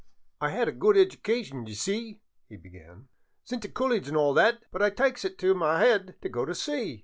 " I 'ad a good iducation, d'ye see," he began, sent to collidge an* all that ; but I tykes it into my 'ead t' go t' sea.